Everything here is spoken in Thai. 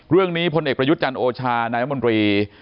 พลเอกประยุทธ์จันทร์โอชานายมนตรี